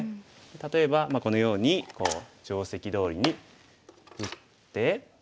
例えばこのように定石どおりに打って。